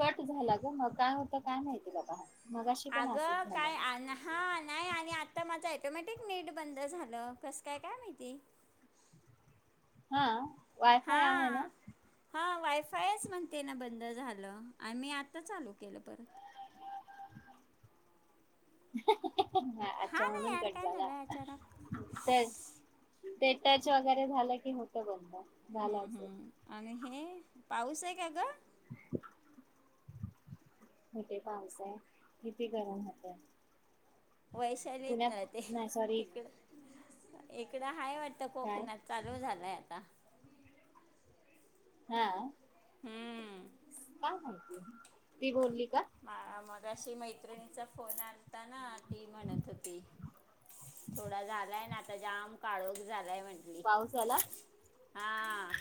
Cut झाला ग मग काय होतं काय माहिती बाबा मगाशी पण असच अगं झालं काय ऑटोमॅटिक नीट बंद झालं कसं काय काय माहिती हा वायफाय आहे ना? ए आय म्हणते ना बंद झालं आणि मी आता चालू केलं परत हह हाह हह हा अच्छ ना म्हणून यार कट काय झाला झालं अचानक टच ते टच वगैरे झालं की होत [inaudible] हम्म हम्म आणि हे पाऊस आहे का ग? [inaudible] कुठे पाऊस आहे, किती गरम होतय वैशाली आ हा पुण्यात ते नाही सॉरी तिकड इकडं हाय वा आता काय कोकणात चालू झालंय आता हम हम्म काय माहिती ती बोलली का मार म ्याशी मैत्रिणीचा फोन आता ना ती म्हणत होती थोडा झालाय ना आता जाम काळोख झाला पाऊस आला हा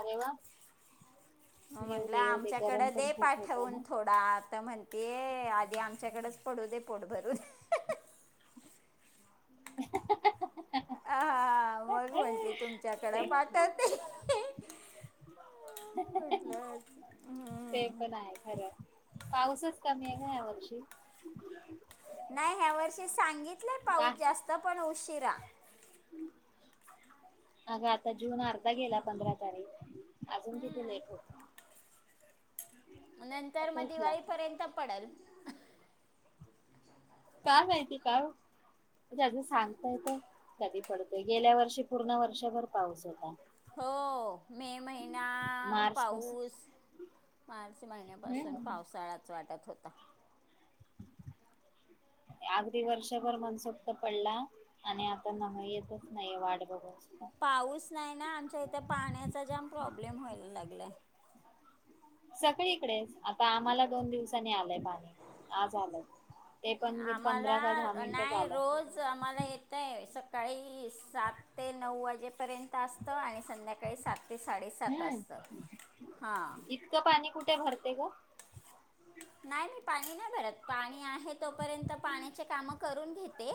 अरे वा म येऊ म्हंटलं दे येऊ दे गरम आमच्याकडे पण दे खूप होतय पाठवून ना थोडा आता म्हणतीय आधी आमच्याकडेच पडू दे पट भरू दे [unintelligible] हा मग म्हंटली तुमच्याकडे ते पाठतते म्हटलं ते हम्म. पण आहे खरं पाऊसच कमी आहे का या वर्षी नाही ह्या वर्षी सांगित इ काय पाऊस जास्त पणष तेिरा अगं आता जून अर्धा गेला पंधरा तारीख अजून कितीे लेट होत नंतर मग आताचला दिवाळीपर्यंत पडेल का माहिती का सांगतायेत कधी पडतय गेल्या वर्षी पूर्ण वर्षभर पाऊस होता हो मे महिना मार्च पासून पाऊस मार्च महिन्यापासून हम्म पावसाळाच वाटत होता अगदी वर्षभर मनसोक्त पडला आणि आता न येतच नाही वाढ पाऊस नाही ना आमच्या इथे पाण्याचा जाम प्रॉब्लेम प्रॉब्लेम व्हायला लागलाय सगळीकडे च. आता आम्हाला दोन दिवसानी आलंय पाणी आज आलंय ते पण पंधरा का दहा आम्हाला मिनिटच नाही आलं रोज आम्हाला येतय सकाळी सात ते नऊ वाजेपर्यंत सात असतं आणि संध्याकाळी सात ते साडेसात असतं हम्म हां इतकं पाणी कुठे भरते ग नाही मी पाणी नाही भरत पाणी आहे तोपर्यंत पाण्याचे काम करून घेते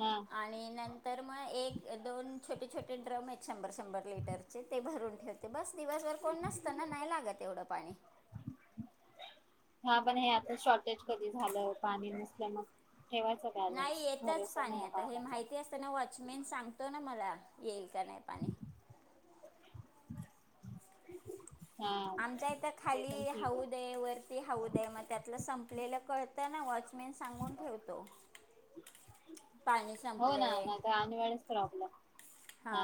हा आणि नंतर मग एक दोन छोटे छोटे ड्रम आहेत शंभर शंभर लिटरचे ते भरून ठेवते बस दिवसभर कोण नसत ना नाही लागत एवढं पाणी हा पण हे आता शॉर्टेज कधी झालं पाणी नसलं मग ठेवायचा नाही बॅलन्स येतच भरोसा पाणी नाही आता हे पाण्याचा माहिती असताना वॉचमेन सांगतो ना मला येईल का नाही पाणी [unintelligible] आमच्या इथं ते पण खाली ठीक हौद आहे वरती हौद आहे मग त्यातलं संपलेलं कळतं ना वॉचमॅन सांगून ठेवतो पाणी हो ना संपलय नाही तर आणि वेळेस प्रॉब्लेम हा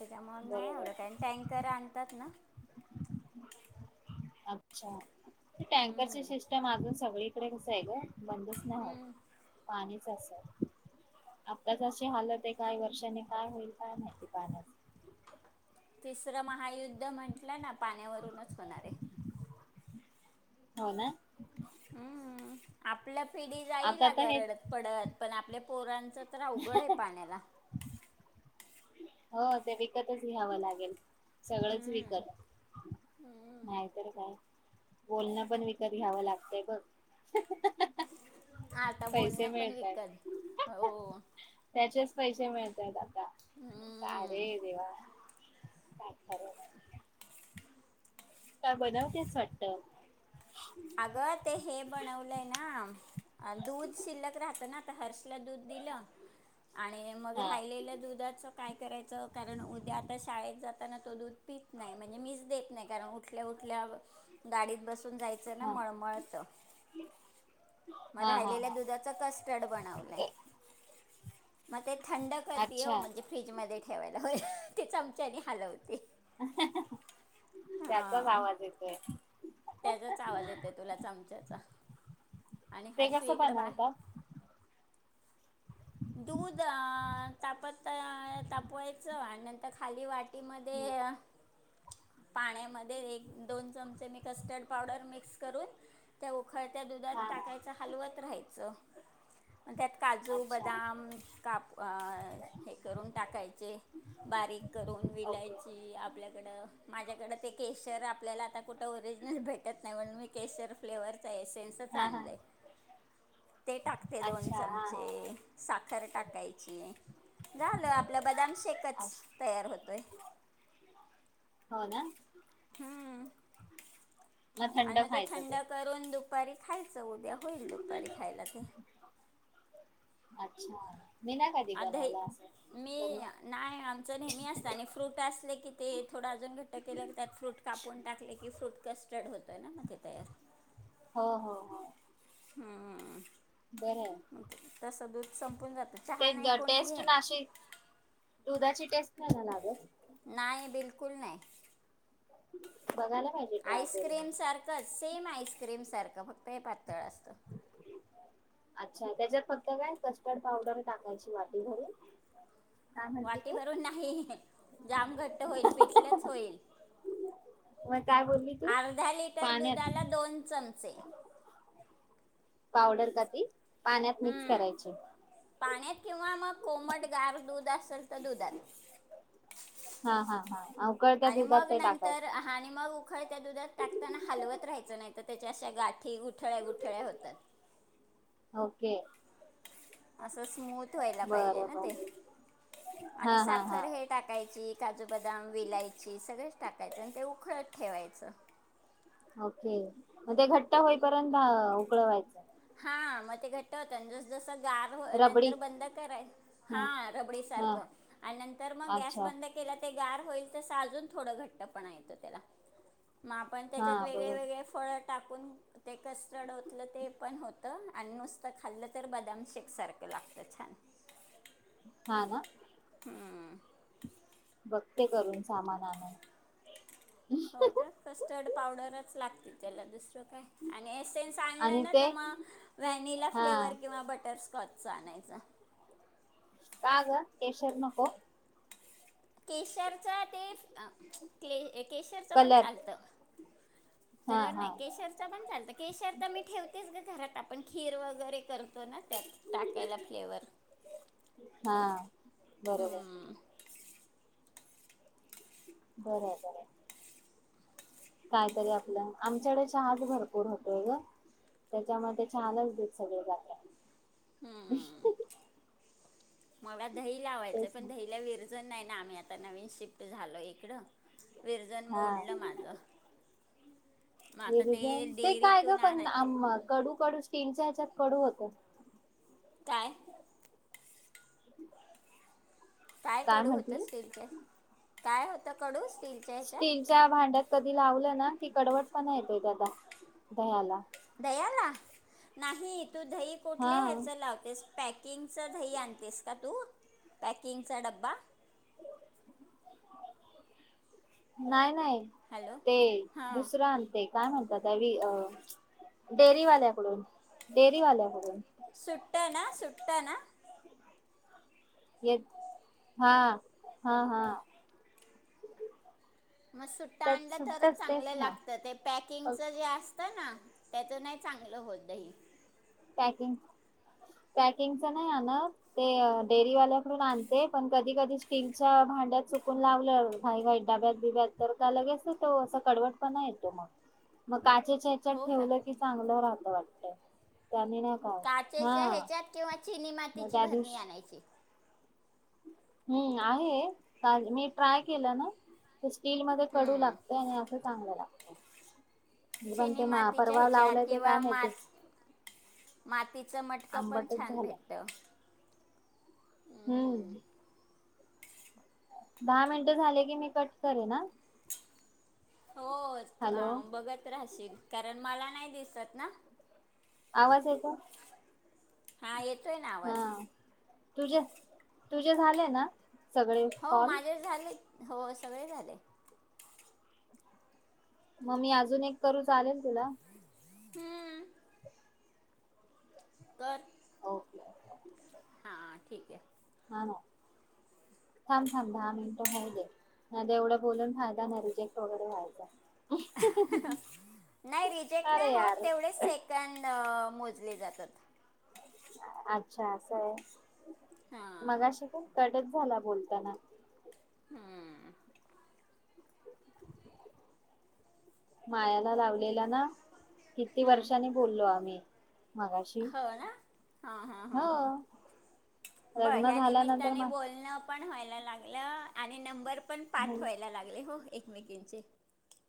त्यामुळे नाही बरोबर एवढ काय टँकर आणतात ना अच्छा ती टँकरची सिस्टम अजून सगळी तिकडे कस आहे ग बंदच नाही होत हम्म. पाणी कसय आताच अशी हालत आहे काय वर्षाने काय होईल काय माहिती पाण्याच तिसरं महायुद्ध म्हटलं ना पाण्यावरूनच होणार आहे हो ना आप आपल्या पिढी जाईल आता तर अगं हे रडत पडत पण आपल्या पोरां जरा अवघड आहे पाण्याला हो ते विकतच घ्यावं लागेल. सगळंच हम्म. विकत हम्म. नाहीतर काय बोलणं पण विकत घ्यावं लागतय बघ आता पैसे बोलणं पण मिळतात विकत हो त्याचेच पैसे मिळतात आता हम्म काय रे देवा काय खरं नाय काय बनवतेस वाटत अग ते हे बनवलंय ना दूध शिल्लक राहत ना आता हर्षला दूध दिलं आणि मग हा राहिलेलं दुधाचं काय करायचं कारण उद्या आता शाळेत जाताना तो दूध पीत नाही म्हणजे मीच देत नाही, कारण उठल्या उठल्या गाडीत बसून जायचं ना हा मळमळतं म हा हा राहिलेल्या हा दुधाचं कस्टर्ड बनवलय. मग ते थंड करते हो अच्छा म्हणजे फ्रीजमध्ये ठेवायला होय. ते चमच्याने हलवते. त्याचाच हां आवाज येतोय. त्याचाच आवाज येतो तुला चमच्याचा आणि ते हर्षु कसं एक डबा बनवतात दूध अ तापत तापवायचं आणि नंतर खाली वा टीमध्ये पाण्यामध्ये एक दोन चमचे मी कस्टर्ड पावडर मिक्स करून त्या उकळत्या दुधात हा हा टाकायच हलवत राहायचं मं त्यात काजू, ब अच्छा दाम काप हे करून टाकायचे बारीक करून ओके विलायची आपल्याकडं माझ्याकडें ते केशर आपल्याला आता कुठ ओरिजिनल भेटत नाही म्हण मी केशर फ्लेवर्हरचा एशनसच हा हा आणलंय. ते टाकते दोन अच्छा हा चमचे. हा साखर टाकायची झालं आपलं बदाम शेकच तयार होतोय हो ना [inaudible] हम्म, आणि मग ते थंड करून दु पारी खायचं उद्या होईल दुपारी खायला ते. अच्छा. मी ना कधी अधी बनवलं असं मी बनव नाही आमच नेहमी असत, आणि फ्रूट असले की ते थोडा अजून घट्ट केला, की त्यात फ्रूट कापून टाकले की फ्रूट कस्टर्ड हो त, ना म ते तयार. हो-हो-हो. हम्म. तस दूध संपून जात. चहा आहे नाही ते कोणी टेस्ट घेत. ना अशी दुधाची टेस्ट नाही ना लागत. नाही बिल कुल नाही. बघायला पाहिजे ट्राय करून आईस्क्रीम एकदा. सारखंच सेम आईस्क्रीम सारखं फक्त हे पातळ असतं. अच्छा, त्याच्यात फक्त काय कस्टर्ड पावडर टाकायची वाटी भरून. काय म्हटली वाटी तू भरून नाही, जाम घट्ट होईल पिठलंच होईल. मग काय बोलली तू अर्धा लिटर पाण्यात दुधाला दोन चमचे, पावडर क ती, पाण्यात मिक्स हम्म करायचे, पाण्यात किंवा मग कोमट गार दूध अस सल तर दुधात हा-हा-हा अवकळत्या आणि दुधात मग ते नंतर टाकायच. आणि मग उखळत्या दुधात टाकताना हलवत राहायचं नाही, तर त्याच्या अशा गाठी गुठळ्या गुठळ्या होतात. ओके, असं स्मूथ व्हायला पाहिजे बरं ना ते बर आणि हा हा हा साखर हे टाकायची काजू बदाम विलायची सगळेंच टाकायचं आणि ते उखळत ठेवायचं. ओके मग ते घट्ट होईपर्यंत उकळवायच, हा मते घट होत जस-जस रबडी नर बंद करा हा ह रबडी सार हा नर मग गस अच्छा बंद के ते गार होईल तसं अजून थोडं घट्ट पण येतं त्याला. मग आपण हा त्याच्यात बरोबर वेगळे-वेेगळे फळ टाकून ते कस्टर्ड ओतलं ते पण होतं आणि नुसतं खाल्लं तर बदाम शेकसारखं लागतं छान. हा ना ह्ं बघ ते करून सामान आण हो का कस्टर्ड पावडरच लागते. त्याला दुसर काय आणि एसेन्स आणलं आणि ना ते तर मग व्हॅनिला हा फ्लेवर किंवा बटरस्कॉच. चा आनायच. का गं केशर नको. केशर ते केशरच पण कलर चालत हा हा नाही केशरच पण चालत केशर तर मी ठेवतेच ग घरात आपण खीर वगैरे करतो ना. टाकायला फ्लेवर हा बरोबर बर बर कायतरी आपलं आमच्याकडे चहाच भरपूर होतोय ग त्याच्यामध्ये चहालाच दुध सगळे जात. [inaudible] मग दही लावायचं पण ना. दहीला विरजण नाही ना आम्ही आता नवीन शिफ्ट झालो इकडं. विरजन मोडलं माझं. मग हे आता विरझन ते काय का डेअरीतून पण आणाय कडू कडू स्टीमच कडू होत. काय? [inaudible] काय कडू होतंस स्टीमच काय होतं कडूस. स्टीलच्या भांड्यात कधी लावलं की कडवट पण येत त्याला दह्याला. दह्याला नाही तू दही हा कुठल्या ह्याच लावतेस पॅकिंग च दही आणतेस का तू? पॅकिंग चा डबा? नाही नाही. हॅलो ते हां दुसरं आणते. काय म्हणता ताई डेअरीवाल्याकडून, डेअरीवाल्याकडून सुट्ट ना सुट्ट ना ये हां हां हा मग सुट्टा त्यात आणला तरच सुट्टच तेच चांगलं ना लागतं ते पॅकिंगच जे अस होता ना त्याच नाही चांगलं होत दही प्याकिंग पॅकिंगच नाही आणत ते डेअरी वाल्याकडून आणते काचेच्यात हो का ठेवलं की चांगलं राहत वाट [unintelligible] काचेच्या ह्याच्यात किंवा चिनी मग मातीची त्या बरणी दिवशी आणायची हम्म आहे मी ट्राय केलं ना ते स्टील मध्ये कडू हम्म. लागत आणि असं चांगलं लागतं पण चिनी ते मा मातीच्या परवा ह्याच्यात लावलंय ते किंवा काय माठ माहिती आंबटच झालं हम्म दहा मिनट झाले की मी कट करे ना हो बघत राहशील कारण मला नाही दिसत ना आवाज य का हा येत त ना आवाज तुझे तुझे झाले ना सगळे हो कॉल माझेच झाले हो सगळे झाले मग मी अजून एक करू हम घर ओके हा ठीक आहे हा थांब थांब दहा मिनट होऊ दे नाही एवढा बोलून फायदा ना रिजेक्ट वगैरे व्हायचा नाही रिजेक्ट नाही अरे होत यार तेवढेच सेकंड मोजले जातात अच्छा असं आहे हां मगाशी का कडच झाला बोलताना हम्म मायाला लावलेला ना किती वर्षांनी बोललो आम्ही मागाशी हो ना हां हां ह हां हां बरं लग्न ह्या झाल्यानंतर निमित्ताने म बोलणं पण व्हाय लाग आणि नंबर पण मग पाठवायला लागले हो एकमेकचे